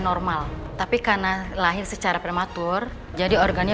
pasti berat buat busara ya